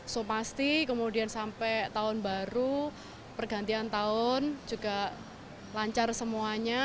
so pasti kemudian sampai tahun baru pergantian tahun juga lancar semuanya